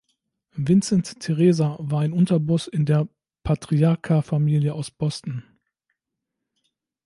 Vincent Teresa war ein Unterboss in der Patriarca-Familie aus Boston.